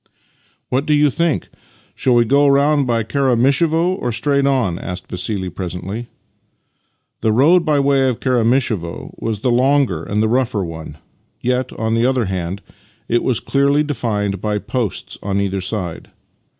" What do you think? Shall we go round by Kara mishevo or straight on? " asked Vassili presently. The road by way of Karamishevo was the longer and the rougher one, yet, on the other hand, it was clearly defined by posts on either side.